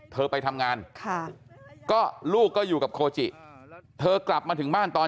ไปทำงานค่ะก็ลูกก็อยู่กับโคจิเธอกลับมาถึงบ้านตอน